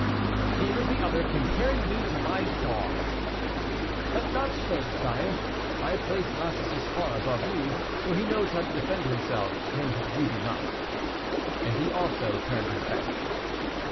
"Here is the other comparing me to my dog!" "Not so, sire; I place Narcissus far above you, for he knows how to defend himself, and you do not." And he also turned his back.